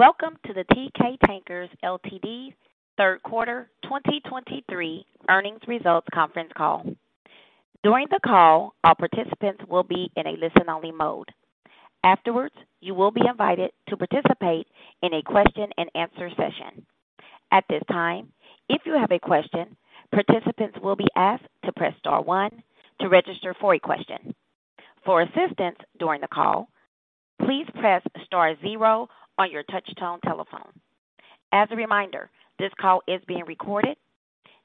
Welcome to the Teekay Tankers Ltd.'s Q3 2023 earnings results conference call. During the call, all participants will be in a listen-only mode. Afterwards, you will be invited to participate in a question-and-answer session. At this time, if you have a question, participants will be asked to press star one to register for a question. For assistance during the call, please press star zero on your touch-tone telephone. As a reminder, this call is being recorded.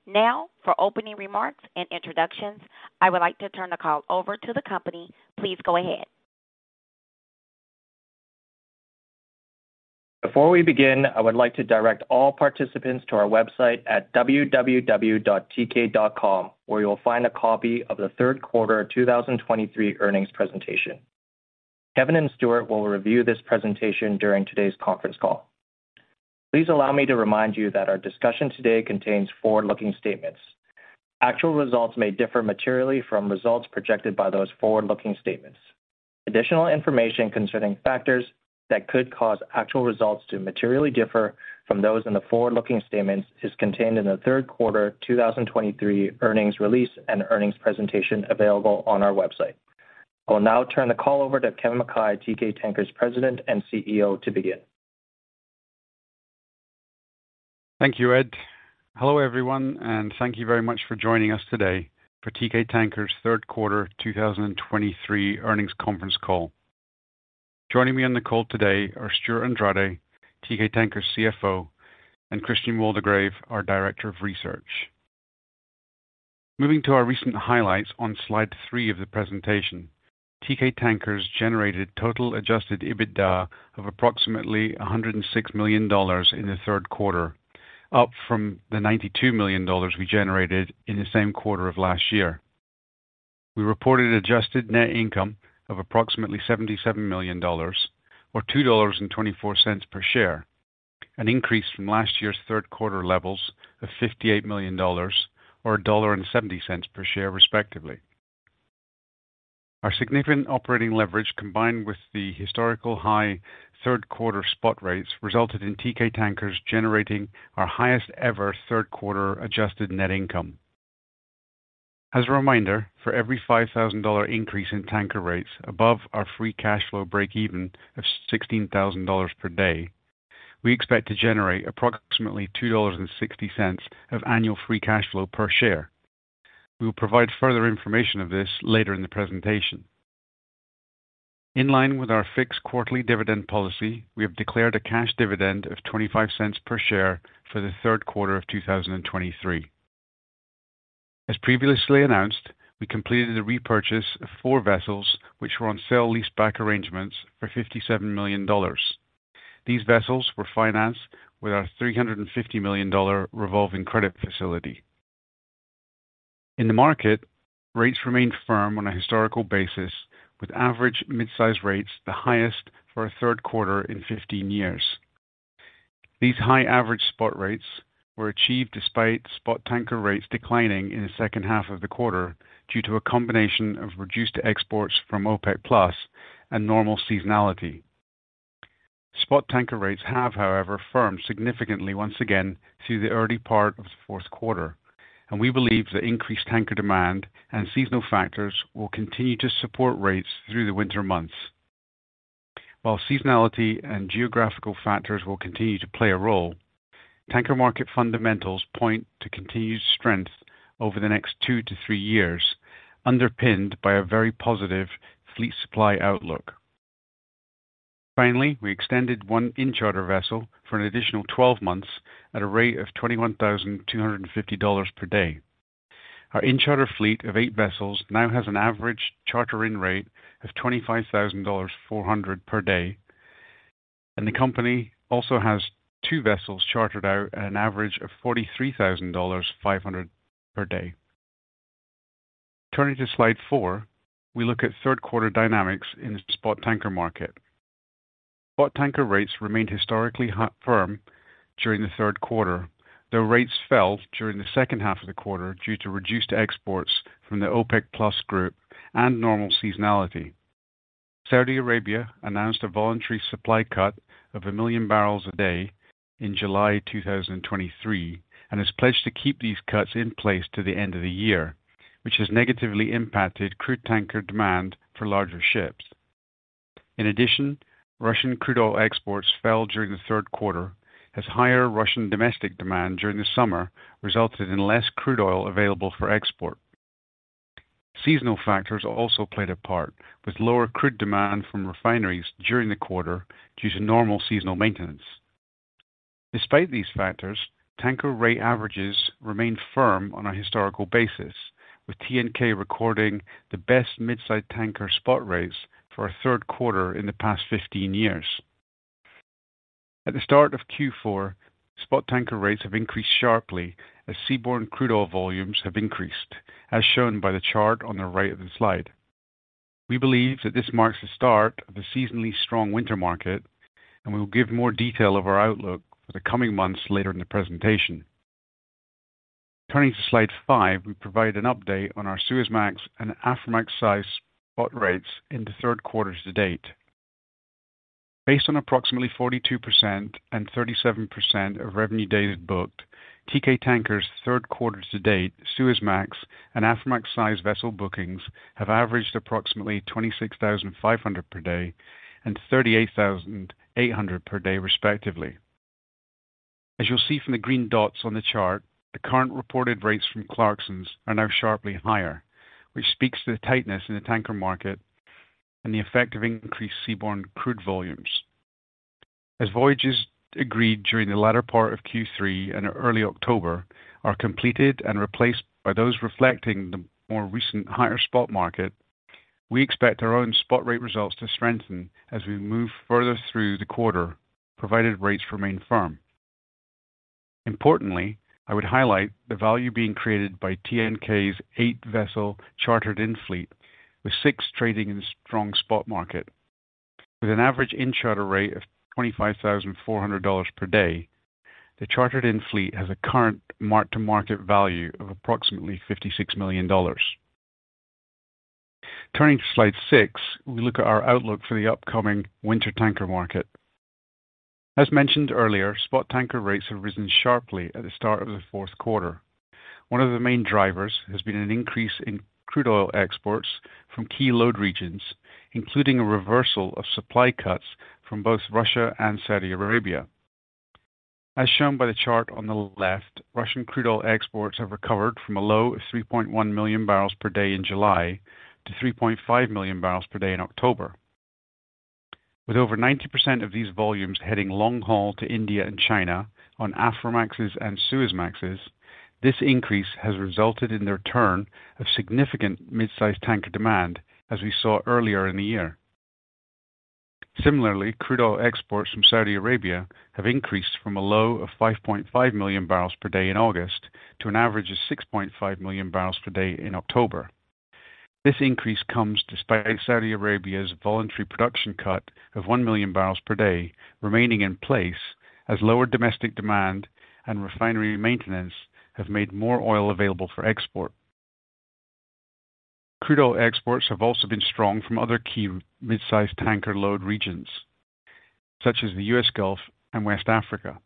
Now, for opening remarks and introductions, I would like to turn the call over to the company. Please go ahead. Before we begin, I would like to direct all participants to our website at www.teekay.com, where you will find a copy of the Q3 2023 earnings presentation. Kevin and Stewart will review this presentation during today's conference call. Please allow me to remind you that our discussion today contains forward-looking statements. Actual results may differ materially from results projected by those forward-looking statements. Additional information concerning factors that could cause actual results to materially differ from those in the forward-looking statements is contained in the Q3 2023 earnings release and earnings presentation available on our website. I will now turn the call over to Kevin Mackay, Teekay Tankers President and CEO, to begin. Thank you, Ed. Hello, everyone, and thank you very much for joining us today for Teekay Tankers' Q3 2023 earnings conference call. Joining me on the call today are Stewart Andrade, Teekay Tankers' CFO, and Christian Waldegrave, our Director of Research. Moving to our recent highlights on slide three of the presentation, Teekay Tankers generated total Adjusted EBITDA of approximately $106 million in the Q3, up from the $92 million we generated in the same quarter of last year. We reported adjusted net income of approximately $77 million or $2.24 per share, an increase from last year's Q3 levels of $58 million or $1.70 per share, respectively. Our significant operating leverage, combined with the historical high Q3 spot rates, resulted in Teekay Tankers generating our highest ever Q3 adjusted net income. As a reminder, for every $5,000 increase in tanker rates above our free cash flow breakeven of $16,000 per day, we expect to generate approximately $2.60 of annual free cash flow per share. We will provide further information of this later in the presentation. In line with our fixed quarterly dividend policy, we have declared a cash dividend of $0.25 per share for the Q3 of 2023. As previously announced, we completed the repurchase of four vessels, which were on sale-leaseback arrangements for $57 million. These vessels were financed with our $350 million revolving credit facility. In the market, rates remained firm on a historical basis, with average mid-size rates the highest for a Q3 in 15 years. These high average spot rates were achieved despite spot tanker rates declining in the second half of the quarter due to a combination of reduced exports from OPEC+ and normal seasonality. Spot tanker rates have, however, firmed significantly once again through the early part of the fourth quarter, and we believe that increased tanker demand and seasonal factors will continue to support rates through the winter months. While seasonality and geographical factors will continue to play a role, tanker market fundamentals point to continued strength over the next 2-3 years, underpinned by a very positive fleet supply outlook. Finally, we extended one in-charter vessel for an additional 12 months at a rate of $21,250 per day. Our in-charter fleet of eight vessels now has an average charter-in rate of $25,400 per day, and the company also has two vessels chartered out at an average of $43,500 per day. Turning to slide four, we look at Q3 dynamics in the Spot Tanker market. Spot Tanker rates remained historically high firm during the Q3, though rates fell during the second half of the quarter due to reduced exports from the OPEC+ group and normal seasonality. Saudi Arabia announced a voluntary supply cut of a million barrels a day in July 2023 and has pledged to keep these cuts in place to the end of the year, which has negatively impacted crude tanker demand for larger ships. In addition, Russian crude oil exports fell during the Q3, as higher Russian domestic demand during the summer resulted in less crude oil available for export. Seasonal factors also played a part, with lower crude demand from refineries during the quarter due to normal seasonal maintenance. Despite these factors, tanker rate averages remained firm on a historical basis, with TNK recording the best mid-size tanker spot rates for a Q3 in the past 15 years. At the start of Q4, Spot Tanker rates have increased sharply as seaborne crude oil volumes have increased, as shown by the chart on the right of the slide. We believe that this marks the start of a seasonally strong winter market, and we will give more detail of our outlook for the coming months later in the presentation. Turning to slide five, we provide an update on our Suezmax and Aframax size spot rates in the Q3 to date. Based on approximately 42% and 37% of revenue days booked, Teekay Tankers' Q3 to date, Suezmax and Aframax-sized vessel bookings have averaged approximately $26,500 per day and $38,800 per day, respectively. As you'll see from the green dots on the chart, the current reported rates from Clarksons are now sharply higher, which speaks to the tightness in the tanker market and the effect of increased seaborne crude volumes. As voyages agreed during the latter part of Q3 and early October are completed and replaced by those reflecting the more recent higher spot market, we expect our own spot rate results to strengthen as we move further through the quarter, provided rates remain firm. Importantly, I would highlight the value being created by TNK's 8-vessel chartered-in fleet, with six trading in a strong spot market. With an average in-charter rate of $25,400 per day, the chartered-in fleet has a current mark-to-market value of approximately $56 million. Turning to slide six, we look at our outlook for the upcoming winter tanker market. As mentioned earlier, spot tanker rates have risen sharply at the start of the Q4. One of the main drivers has been an increase in crude oil exports from key load regions, including a reversal of supply cuts from both Russia and Saudi Arabia. As shown by the chart on the left, Russian crude oil exports have recovered from a low of 3.1 million barrels per day in July to 3.5 million barrels per day in October. With over 90% of these volumes heading long haul to India and China on Aframaxes and Suezmaxes, this increase has resulted in the return of significant mid-size tanker demand, as we saw earlier in the year. Similarly, crude oil exports from Saudi Arabia have increased from a low of 5.5 million barrels per day in August to an average of 6.5 million barrels per day in October. This increase comes despite Saudi Arabia's voluntary production cut of 1 million barrels per day remaining in place, as lower domestic demand and refinery maintenance have made more oil available for export. Crude oil exports have also been strong from other key mid-size tanker load regions, such as the US Gulf and West Africa.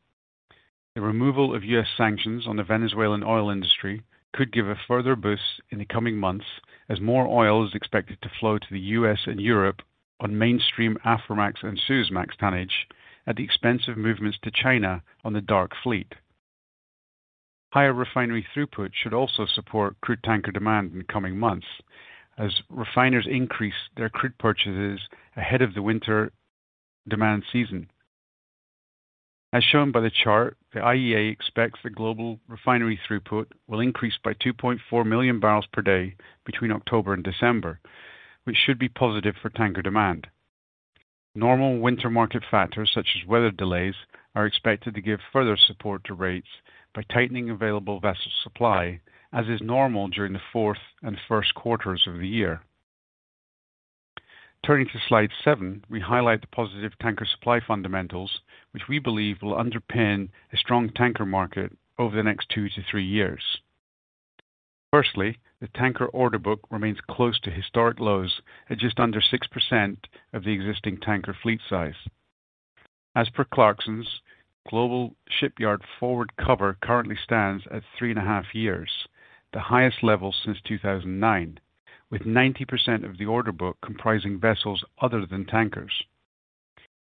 The removal of U.S. sanctions on the Venezuelan oil industry could give a further boost in the coming months as more oil is expected to flow to the U.S. and Europe on mainstream Aframax and Suezmax tonnage at the expense of movements to China on the Dark Fleet. Higher refinery throughput should also support crude tanker demand in coming months as refiners increase their crude purchases ahead of the winter demand season. As shown by the chart, the IEA expects that global refinery throughput will increase by 2.4 million barrels per day between October and December, which should be positive for tanker demand. Normal winter market factors, such as weather delays, are expected to give further support to rates by tightening available vessel supply, as is normal during the Q4 and Q1 of the year. Turning to slide seven, we highlight the positive tanker supply fundamentals, which we believe will underpin a strong tanker market over the next 2-3 years. Firstly, the tanker order book remains close to historic lows at just under 6% of the existing tanker fleet size. As per Clarksons, global shipyard forward cover currently stands at 3.5 years, the highest level since 2009, with 90% of the order book comprising vessels other than tankers.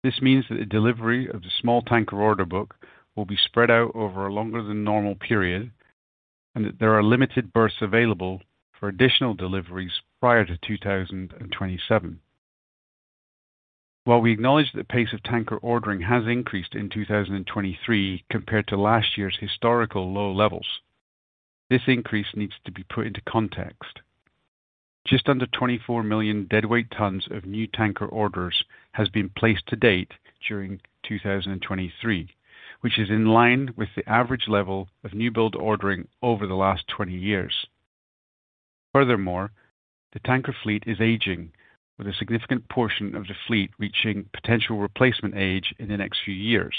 This means that the delivery of the small tanker order book will be spread out over a longer than normal period, and that there are limited berths available for additional deliveries prior to 2027. While we acknowledge that pace of tanker ordering has increased in 2023 compared to last year's historical low levels, this increase needs to be put into context. Just under 24 million deadweight tons of new tanker orders has been placed to date during 2023, which is in line with the average level of newbuild ordering over the last 20 years. Furthermore, the tanker fleet is aging, with a significant portion of the fleet reaching potential replacement age in the next few years.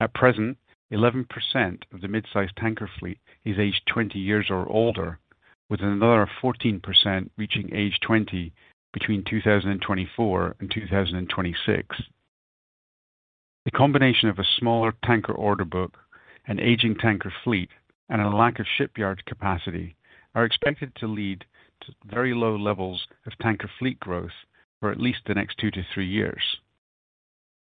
At present, 11% of the mid-size tanker fleet is aged 20 years or older, with another 14% reaching age 20 between 2024 and 2026. The combination of a smaller tanker order book, an aging tanker fleet, and a lack of shipyard capacity are expected to lead to very low levels of tanker fleet growth for at least the next 2-3 years.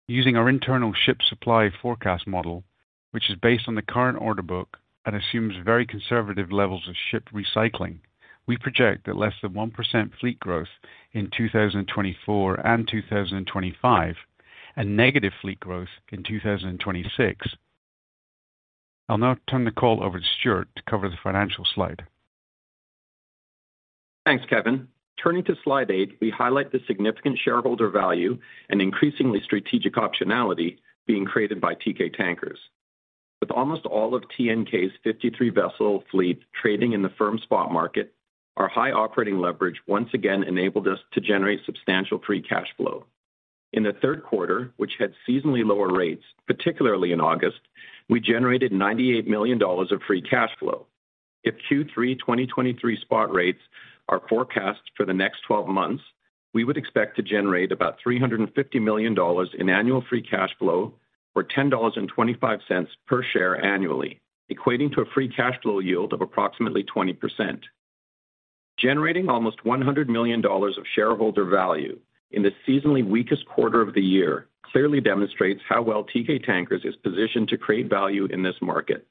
Using our internal ship supply forecast model, which is based on the current order book and assumes very conservative levels of ship recycling, we project that less than 1% fleet growth in 2024 and 2025, and negative fleet growth in 2026. I'll now turn the call over to Stewart to cover the financial slide. Thanks, Kevin. Turning to slide eight, we highlight the significant shareholder value and increasingly strategic optionality being created by Teekay Tankers. With almost all of TNK's 53-vessel fleet trading in the firm spot market, our high operating leverage once again enabled us to generate substantial free cash flow. In the Q3, which had seasonally lower rates, particularly in August, we generated $98 million of free cash flow. If Q3 2023 spot rates are forecast for the next 12 months, we would expect to generate about $350 million in annual free cash flow or $10.25 per share annually, equating to a free cash flow yield of approximately 20%. Generating almost $100 million of shareholder value in the seasonally weakest quarter of the year, clearly demonstrates how well Teekay Tankers is positioned to create value in this market.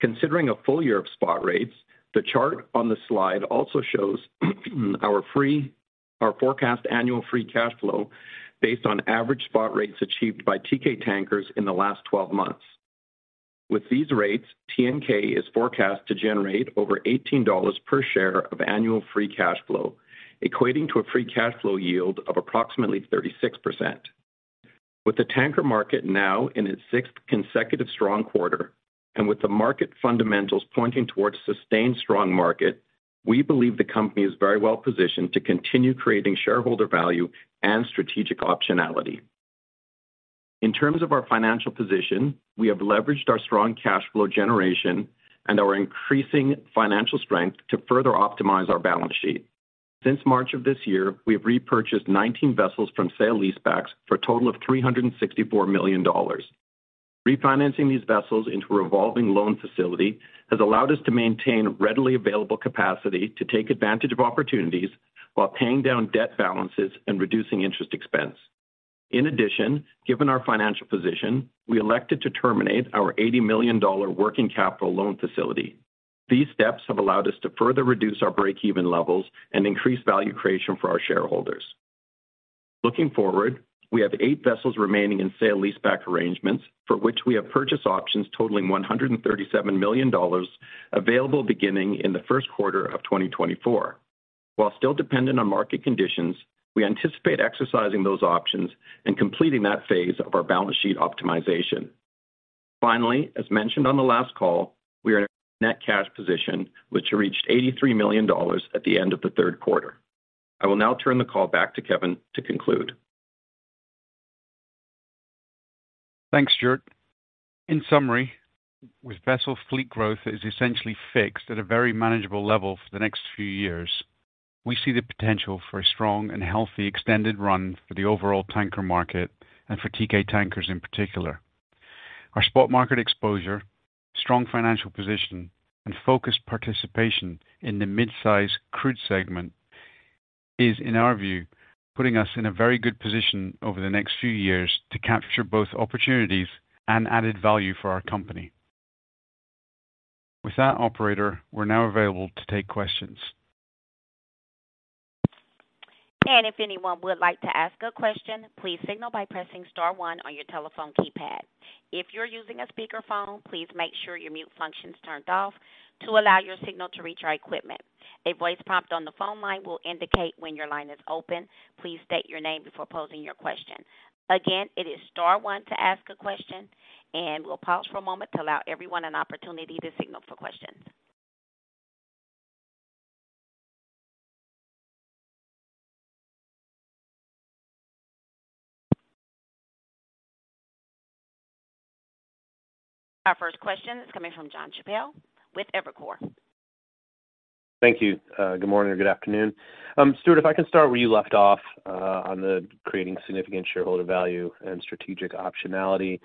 Considering a full year of spot rates, the chart on the slide also shows our forecast annual free cash flow based on average spot rates achieved by Teekay Tankers in the last 12 months. With these rates, TNK is forecast to generate over $18 per share of annual free cash flow, equating to a free cash flow yield of approximately 36%. With the tanker market now in its sixth consecutive strong quarter, and with the market fundamentals pointing towards sustained strong market, we believe the company is very well positioned to continue creating shareholder value and strategic optionality. In terms of our financial position, we have leveraged our strong cash flow generation and our increasing financial strength to further optimize our balance sheet. Since March of this year, we have repurchased 19 vessels from sale leasebacks for a total of $364 million. Refinancing these vessels into a revolving loan facility has allowed us to maintain readily available capacity to take advantage of opportunities while paying down debt balances and reducing interest expense. In addition, given our financial position, we elected to terminate our $80 million working capital loan facility. These steps have allowed us to further reduce our breakeven levels and increase value creation for our shareholders. Looking forward, we have eight vessels remaining in Sale Leaseback arrangements, for which we have purchase options totaling $137 million available beginning in the first quarter of 2024. While still dependent on market conditions, we anticipate exercising those options and completing that phase of our balance sheet optimization. Finally, as mentioned on the last call, we are in a net cash position, which reached $83 million at the end of the Q3. I will now turn the call back to Kevin to conclude. Thanks, Stewart. In summary, with vessel fleet growth is essentially fixed at a very manageable level for the next few years, we see the potential for a strong and healthy extended run for the overall tanker market and for Teekay Tankers in particular. Our spot market exposure, strong financial position, and focused participation in the mid-size crude segment is, in our view, putting us in a very good position over the next few years to capture both opportunities and added value for our company. With that operator, we're now available to take questions. If anyone would like to ask a question, please signal by pressing star one on your telephone keypad. If you're using a speakerphone, please make sure your mute function is turned off to allow your signal to reach our equipment. A voice prompt on the phone line will indicate when your line is open. Please state your name before posing your question. Again, it is star one to ask a question, and we'll pause for a moment to allow everyone an opportunity to signal for questions. Our first question is coming from Jon Chappell with Evercore. Thank you. Good morning or good afternoon. Stewart, if I can start where you left off, on the creating significant shareholder value and strategic optionality.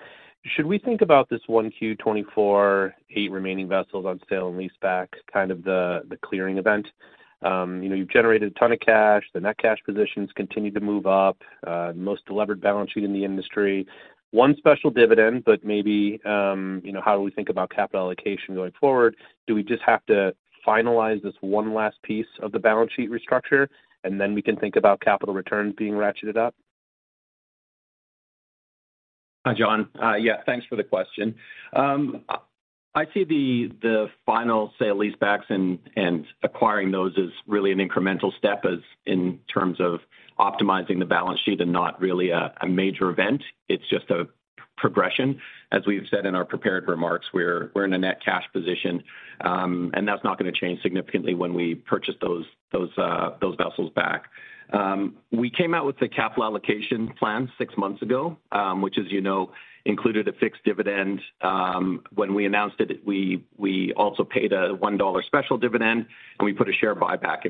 Should we think about this 1Q 2024, eight remaining vessels on sale and leaseback, kind of the clearing event? You know, you've generated a ton of cash, the net cash position continues to move up, the most deleveraged balance sheet in the industry, one special dividend, but maybe, you know, how do we think about capital allocation going forward? Do we just have to finalize this one last piece of the balance sheet restructure, and then we can think about capital returns being ratcheted up? Hi, Jon. Yeah, thanks for the question. I see the final sale-leasebacks and acquiring those is really an incremental step as in terms of optimizing the balance sheet and not really a major event. It's just a progression. As we've said in our prepared remarks, we're in a net cash position, and that's not going to change significantly when we purchase those vessels back. We came out with the capital allocation plan six months ago, which, as you know, included a fixed dividend. When we announced it, we also paid a $1 special dividend, and we put a share buyback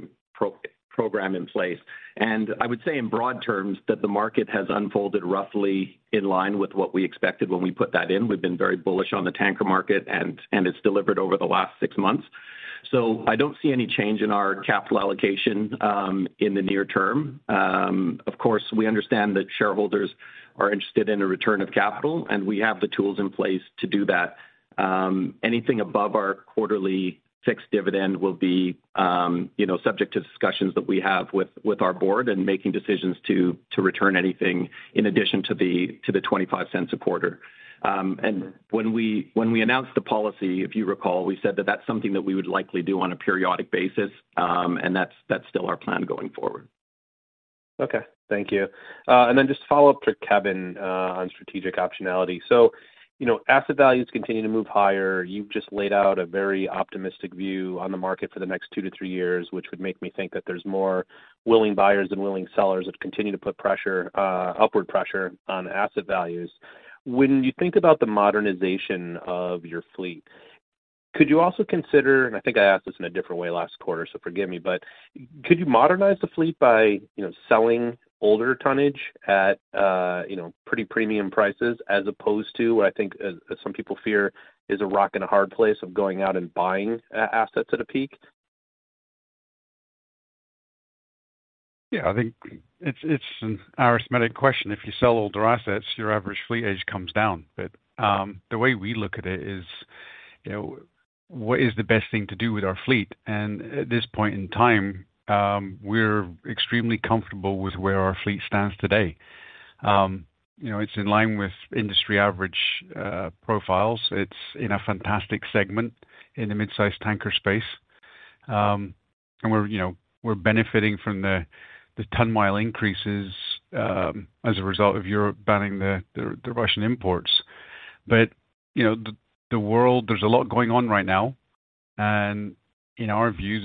program in place. And I would say in broad terms, that the market has unfolded roughly in line with what we expected when we put that in. We've been very bullish on the tanker market, and it's delivered over the last six months. So I don't see any change in our capital allocation in the near term. Of course, we understand that shareholders are interested in a return of capital, and we have the tools in place to do that. Anything above our quarterly fixed dividend will be, you know, subject to discussions that we have with our board and making decisions to return anything in addition to the $0.25 a quarter. When we announced the policy, if you recall, we said that that's something that we would likely do on a periodic basis, and that's still our plan going forward. .Okay. Thank you, and then just follow up to Kevin on strategic optionality. So, you know, asset values continue to move higher. You've just laid out a very optimistic view on the market for the next 2-3years, which would make me think that there's more willing buyers and willing sellers that continue to put pressure, upward pressure on asset values. When you think about the modernization of your fleet, could you also consider, and I think I asked this in a different way last quarter, so forgive me, but could you modernize the fleet by, you know, selling older tonnage at, you know, pretty premium prices, as opposed to what I think, as some people fear, is a rock and a hard place of going out and buying, assets at a peak? Yeah, I think it's, it's an arithmetic question. If you sell older assets, your average fleet age comes down. But, the way we look at it is, you know, what is the best thing to do with our fleet? And at this point in time, we're extremely comfortable with where our fleet stands today. You know, it's in line with industry average profiles. It's in a fantastic segment in the mid-size tanker space. And we're, you know, we're benefiting from the ton-mile increases, as a result of Europe banning the Russian imports. But, you know, the world- there's a lot going on right now, and in our view,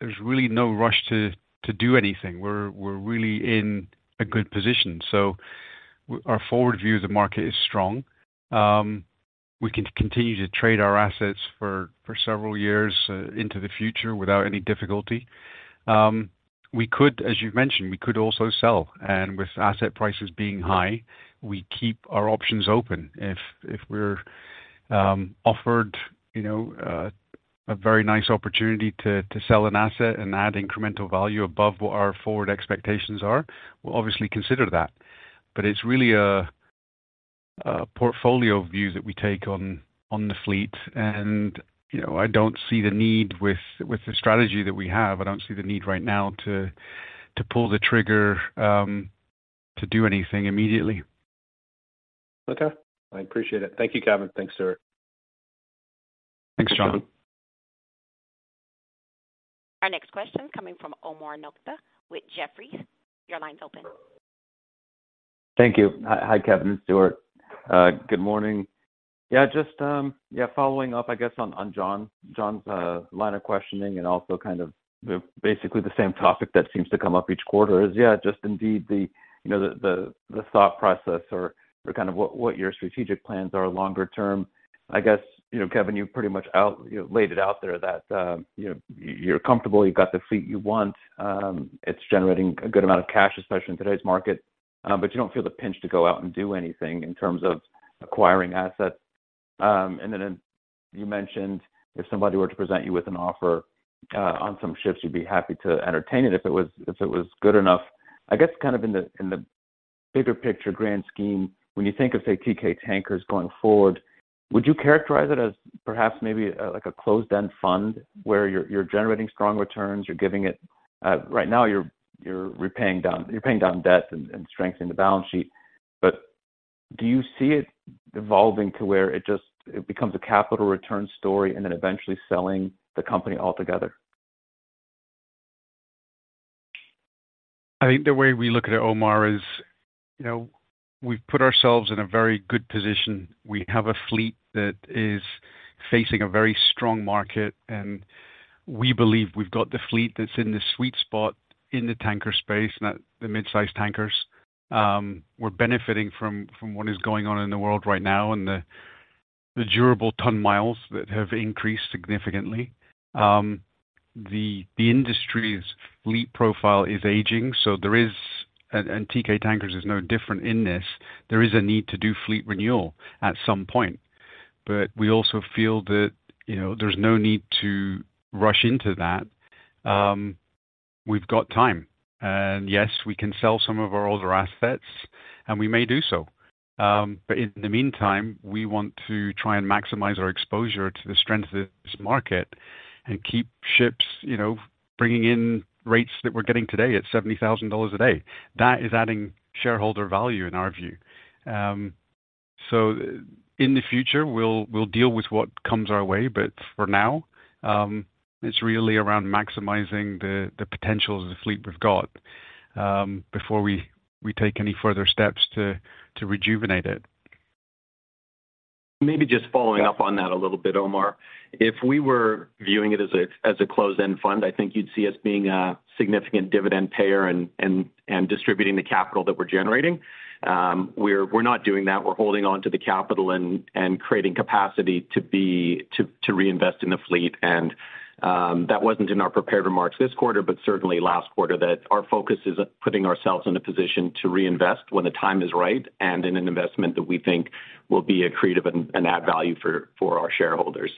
there's really no rush to do anything. We're really in a good position. So our forward view of the market is strong. We can continue to trade our assets for several years into the future without any difficulty. We could, as you've mentioned, we could also sell, and with asset prices being high, we keep our options open. If we're offered, you know, a very nice opportunity to sell an asset and add incremental value above what our forward expectations are, we'll obviously consider that. But it's really a portfolio view that we take on the fleet and, you know, I don't see the need with the strategy that we have. I don't see the need right now to pull the trigger to do anything immediately. Okay. I appreciate it. Thank you, Kevin. Thanks, Stewart. Thanks, Jon. Our next question coming from Omar Nokta with Jefferies. Your line's open. Thank you. Hi. Hi, Kevin, Stewart. Good morning. Yeah, just, yeah, following up, I guess, on, on Jon, Jon's line of questioning and also kind of basically the same topic that seems to come up each quarter is, yeah, just indeed the, you know, the thought process or, or kind of what, what your strategic plans are longer term. I guess, you know, Kevin, you pretty much laid it out there that, you know, you're comfortable, you've got the fleet you want, it's generating a good amount of cash, especially in today's market, but you don't feel the pinch to go out and do anything in terms of acquiring assets. And then in, you mentioned, if somebody were to present you with an offer on some ships, you'd be happy to entertain it if it was good enough. I guess, kind of in the bigger picture, grand scheme, when you think of, say, Teekay Tankers going forward, would you characterize it as perhaps maybe like a closed-end fund, where you're generating strong returns, you're giving it. Right now you're paying down debt and strengthening the balance sheet. But do you see it evolving to where it just becomes a capital return story and then eventually selling the company altogether? I think the way we look at it, Omar, is, you know, we've put ourselves in a very good position. We have a fleet that is facing a very strong market, and we believe we've got the fleet that's in the sweet spot in the tanker space, not the mid-size tankers. We're benefiting from what is going on in the world right now and the durable ton miles that have increased significantly. The industry's fleet profile is aging, so there is. And Teekay Tankers is no different in this. There is a need to do fleet renewal at some point, but we also feel that, you know, there's no need to rush into that. We've got time. And, yes, we can sell some of our older assets, and we may do so. But in the meantime, we want to try and maximize our exposure to the strength of this market and keep ships, you know, bringing in rates that we're getting today at $70,000 a day. That is adding shareholder value in our view. So in the future, we'll deal with what comes our way, but for now, it's really around maximizing the potential of the fleet we've got, before we take any further steps to rejuvenate it. Maybe just following up on that a little bit, Omar. If we were viewing it as a closed-end fund, I think you'd see us being a significant dividend payer and distributing the capital that we're generating. We're not doing that. We're holding on to the capital and creating capacity to reinvest in the fleet. And that wasn't in our prepared remarks this quarter, but certainly last quarter, that our focus is on putting ourselves in a position to reinvest when the time is right and in an investment that we think will be accretive and add value for our shareholders.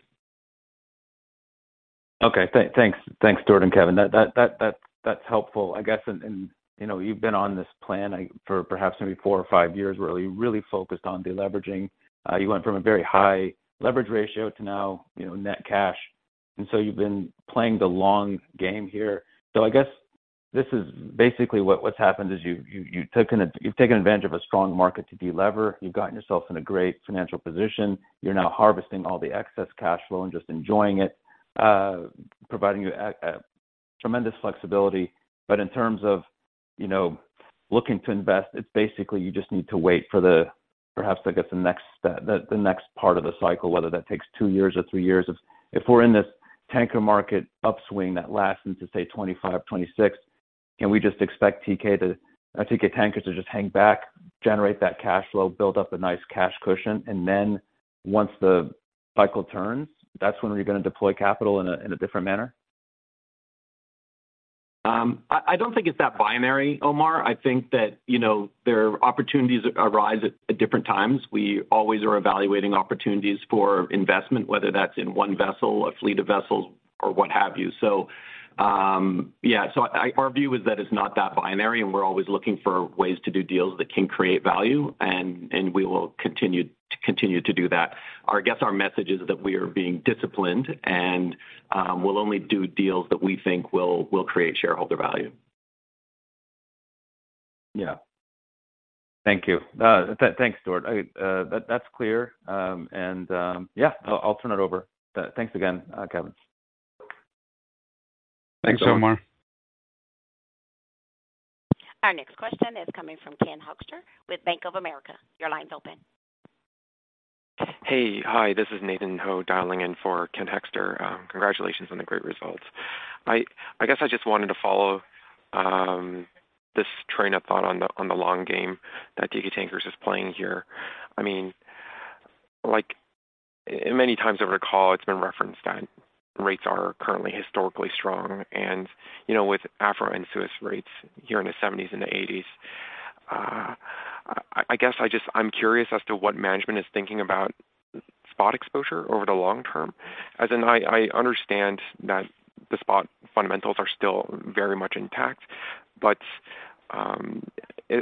Okay. Thanks. Thanks, Stewart and Kevin. That's helpful. I guess, you know, you've been on this plan for perhaps maybe four or five years, where you really focused on deleveraging. You went from a very high leverage ratio to now, you know, net cash, and so you've been playing the long game here. So I guess this is basically what's happened, is you've taken advantage of a strong market to delever. You've gotten yourself in a great financial position. You're now harvesting all the excess cash flow and just enjoying it, providing you tremendous flexibility. But in terms of, you know, looking to invest, it's basically you just need to wait for perhaps, I guess, the next part of the cycle, whether that takes two years or three years. If we're in this tanker market upswing that lasts into, say, 2025, 2026, can we just expect TK to TK Tankers to just hang back, generate that cash flow, build up a nice cash cushion, and then once the cycle turns, that's when we're gonna deploy capital in a different manner? I don't think it's that binary, Omar. I think that, you know, there are opportunities arise at different times. We always are evaluating opportunities for investment, whether that's in one vessel, a fleet of vessels, or what have you. So, our view is that it's not that binary, and we're always looking for ways to do deals that can create value, and we will continue to do that. Our guess, our message is that we are being disciplined, and we'll only do deals that we think will create shareholder value. Yeah. Thank you. Thanks, Stewart. That's clear. And yeah, I'll turn it over. Thanks again, Kevin. Thanks, Omar. Our next question is coming from Ken Hoexter with Bank of America. Your line's open. Hey. Hi, this is Nathan Ho, dialing in for Ken Hoexter. Congratulations on the great results. I guess I just wanted to follow this train of thought on the long game that Teekay Tankers is playing here. I mean, like, many times over the call, it's been referenced that rates are currently historically strong and, you know, with Aframax and Suezmax rates here in the $70,000s and the $80,000s. I guess I'm curious as to what management is thinking about spot exposure over the long term. As in, I understand that the spot fundamentals are still very much intact, but,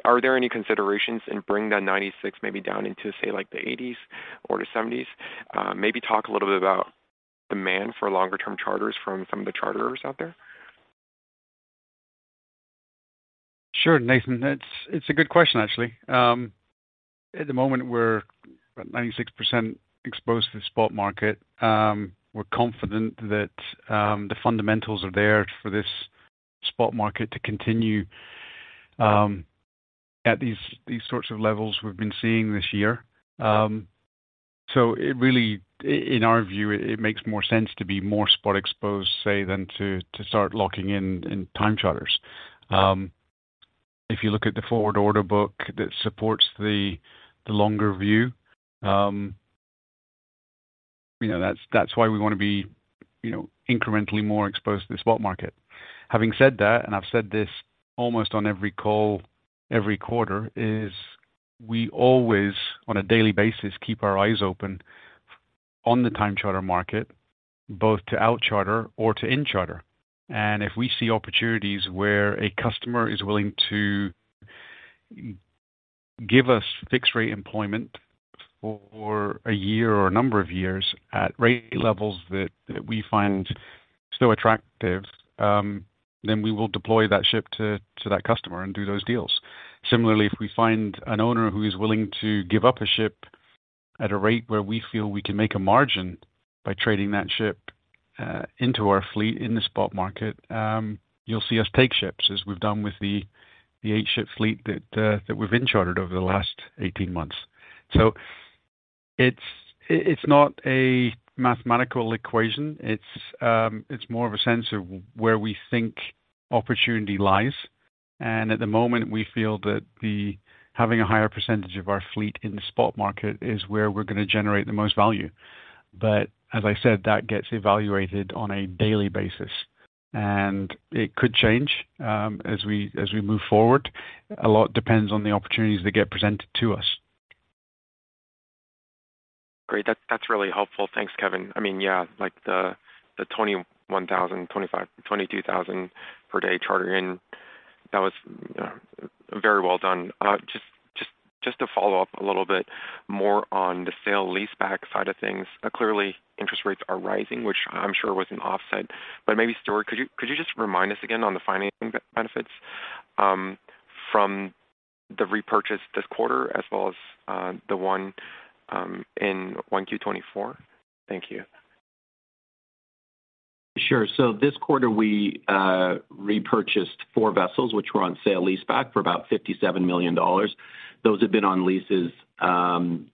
are there any considerations in bringing that 96 maybe down into, say, like the $80,000s or the $70,000s? Maybe talk a little bit about demand for longer-term charters from some of the charterers out there. Sure, Nathan. It's a good question, actually. At the moment, we're about 96% exposed to the spot market. We're confident that the fundamentals are there for this spot market to continue at these sorts of levels we've been seeing this year. So it really, in our view, it makes more sense to be more spot exposed, say, than to start locking in time charters. If you look at the forward order book that supports the longer view, you know, that's why we want to be, you know, incrementally more exposed to the spot market. Having said that, and I've said this almost on every call, every quarter, is we always, on a daily basis, keep our eyes open on the time charter market, both to out charter or to in charter. And if we see opportunities where a customer is willing to give us fixed-rate employment for a year or a number of years at rate levels that we find so attractive, then we will deploy that ship to that customer and do those deals. Similarly, if we find an owner who is willing to give up a ship at a rate where we feel we can make a margin by trading that ship into our fleet in the spot market, you'll see us take ships, as we've done with the 8-ship fleet that we've in-chartered over the last 18 months. So it's not a mathematical equation. It's more of a sense of where we think opportunity lies, and at the moment, we feel that having a higher percentage of our fleet in the spot market is where we're gonna generate the most value. But as I said, that gets evaluated on a daily basis, and it could change, as we move forward. A lot depends on the opportunities that get presented to us. Great. That's, that's really helpful. Thanks, Kevin. I mean, yeah, like the $21,000, $25,000, $22,000 per day charter-in, that was very well done. Just to follow up a little bit more on the sale-leaseback side of things. Clearly, interest rates are rising, which I'm sure was an offset, but maybe, Stewart, could you just remind us again on the financing benefits from the repurchase this quarter as well as the one in 1Q2024? Thank you. Sure. So this quarter we repurchased four vessels, which were on sale-leaseback for about $57 million. Those had been on leases,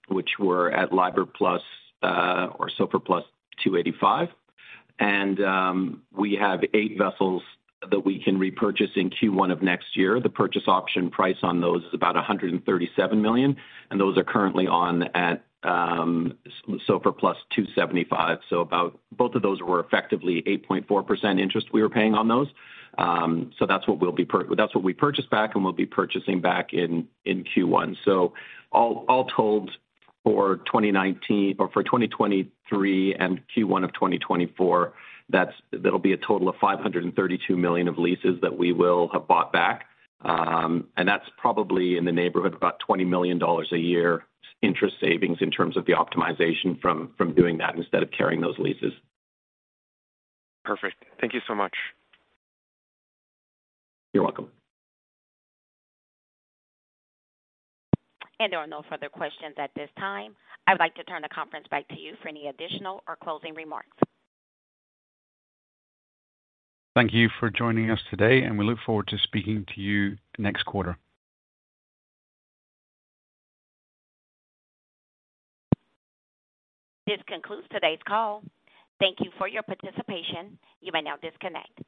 which were at LIBOR plus, or SOFR plus 285. And we have eight vessels that we can repurchase in Q1 of next year. The purchase option price on those is about $137 million, and those are currently on at SOFR plus 275. So about... Both of those were effectively 8.4% interest we were paying on those. So that's what we purchased back and we'll be purchasing back in Q1. So all told, for 2023 and Q1 of 2024, that'll be a total of $532 million of leases that we will have bought back. And that's probably in the neighborhood of about $20 million a year interest savings in terms of the optimization from doing that instead of carrying those leases. Perfect. Thank you so much. You're welcome. There are no further questions at this time. I'd like to turn the conference back to you for any additional or closing remarks. Thank you for joining us today, and we look forward to speaking to you next quarter. This concludes today's call. Thank you for your participation. You may now disconnect.